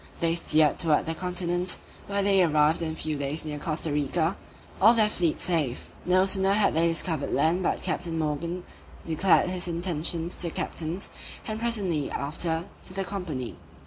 They steered towards the continent, where they arrived in a few days near Costa Rica, all their fleet safe. No sooner had they discovered land but Captain Morgan declared his intentions to the captains, and presently after to the company.